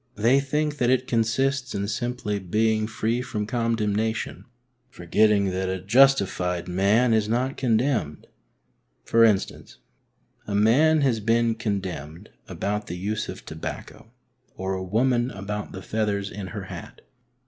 They think that it consists in simply being free from condemnation, forgetting that a justified man is not condemned. For instance, a man has been condemned about the use of tobacco, or a woman about the feathers in her hat.